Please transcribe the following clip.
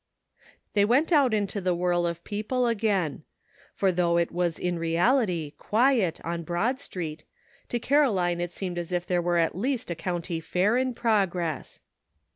They went out into the whirl of people again ; for though it was in reality quiet on Broad Street, to Caroline it seemed as if there were at least a county fair in progress.